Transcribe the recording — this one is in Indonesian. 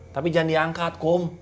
tapi jangan diangkat kum